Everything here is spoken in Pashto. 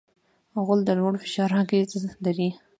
غول د لوړ فشار اغېز لري.